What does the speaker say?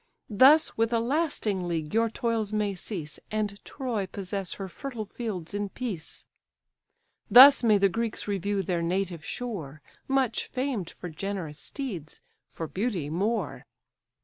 Thus with a lasting league your toils may cease, And Troy possess her fertile fields in peace; Thus may the Greeks review their native shore, Much famed for generous steeds, for beauty more."